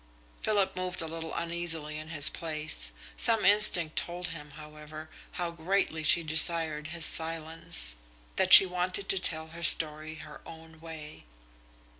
Philip moved a little uneasily in his place. Some instinct told him, however, how greatly she desired his silence that she wanted to tell her story her own way.